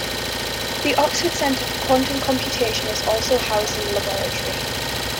The Oxford Centre for Quantum Computation is also housed in the laboratory.